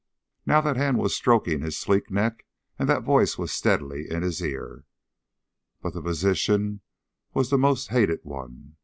Now that hand was stroking his sleek neck and that voice was steadily in his ear. But the position was the most hated one.